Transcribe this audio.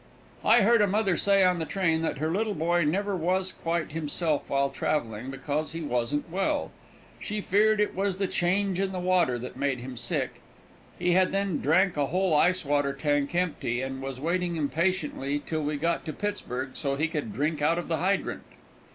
I heard a mother say on the train that her little boy never was quite himself while traveling, because he wasn't well. She feared it was the change in the water that made him sick. He had then drank a whole ice water tank empty, and was waiting impatiently till we got to Pittsburg, so that he could drink out of the hydrant.